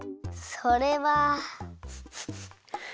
それは。